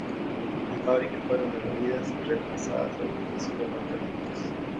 Las fábricas fueron demolidas y reemplazadas por edificios de apartamentos.